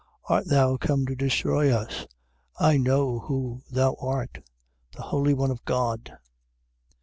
Art thou come to destroy us? I know who thou art, the Holy One of God.